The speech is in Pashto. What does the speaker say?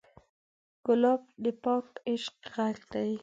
ګلاب د پاک عشق غږ دی.